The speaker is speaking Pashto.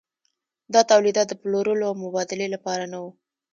دا تولیدات د پلورلو او مبادلې لپاره نه وو.